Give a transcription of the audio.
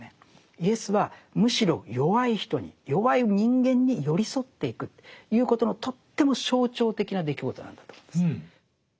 イエスはむしろ弱い人に弱い人間に寄り添っていくということのとっても象徴的な出来事なんだと思うんですね。